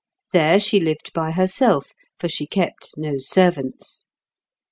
There she lived by herself; for she kept no servants.